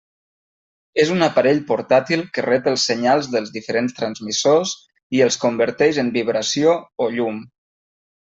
És un aparell portàtil que rep els senyals dels diferents transmissors i els converteix en vibració o llum.